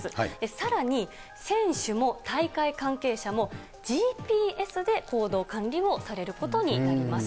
さらに、選手も大会関係者も、ＧＰＳで行動管理をされることになります。